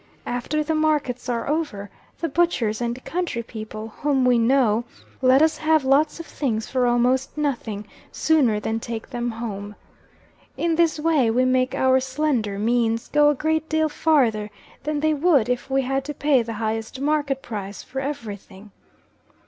After the markets are over, the butchers and country people, whom we know, let us have lots of things for almost nothing, sooner than take them home. In this way we make our slender means go a great deal farther than they would if we had to pay the highest market price for every thing.